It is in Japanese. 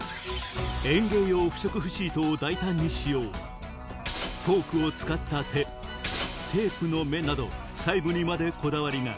園芸用不織布シートを大胆に使用フォークを使った手テープの目など細部にまでこだわりが